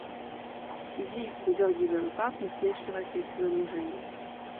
– Сиди! – выдергивая рукав, насмешливо ответила ему Женя.